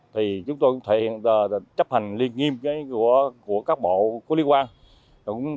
thì chúng tôi cũng thể hiện chấp hành liên nghiêm của các bộ có liên quan